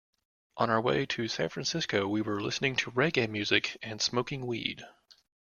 On our way to San Francisco, we were listening to reggae music and smoking weed.